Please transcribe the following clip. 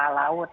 atau kapal laut